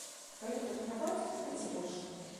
Калі падграбаць, дык збольшага.